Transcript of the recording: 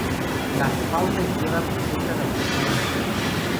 La fauna y flora presenta adaptaciones al clima.